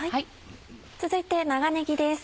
続いて長ねぎです。